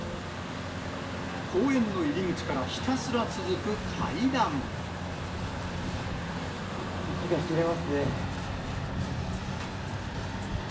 公園の入り口からひたすら続く階息が切れますね。